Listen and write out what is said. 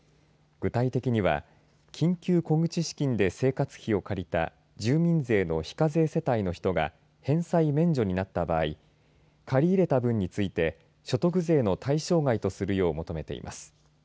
具体的には緊急小口資金で生活費を借りた住民税の非課税世帯の人が返済免除になった場合借り入れた分について所得税の対象外とするよう求めています。